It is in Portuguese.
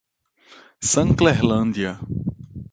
Sanclerlândia